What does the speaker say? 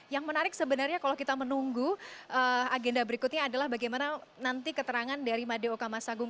yang menarik sebenarnya kalau kita menunggu agenda berikutnya adalah bagaimana nanti keterangan dari madeo kamasagung